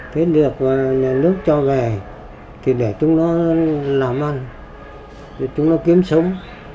thế được nhà nước cho về thì để chúng nó làm ăn thì chúng nó kiếm sống